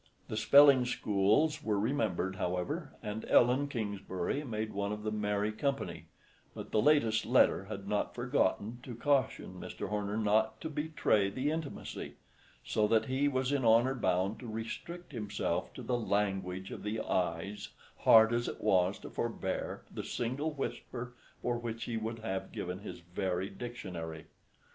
The spelling schools were remembered, however, and Ellen Kingsbury made one of the merry company; but the latest letter had not forgotten to caution Mr. Horner not to betray the intimacy; so that he was in honor bound to restrict himself to the language of the eyes hard as it was to forbear the single whisper for which he would have given his very dictionary.